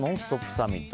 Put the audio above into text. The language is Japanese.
サミット。